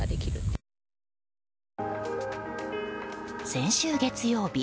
先週月曜日。